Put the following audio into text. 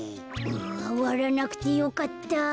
あわらなくてよかった。